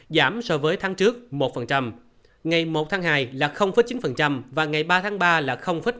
giảm so với tháng trước một ngày một tháng hai là chín và ngày ba tháng ba là năm